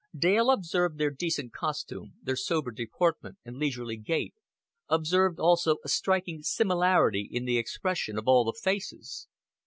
Dale observed their decent costume, their sober deportment, and leisurely gait, observed also a striking similarity in the expression of all the faces.